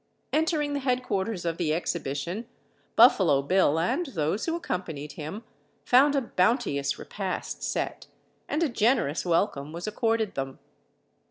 Entering the headquarters of the exhibition Buffalo Bill and those who accompanied him found a bounteous repast set, and a generous welcome was accorded them.